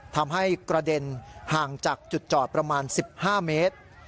ทำให้กระเด็นห่างจากจุดจอดประมาณ๑๕เมตร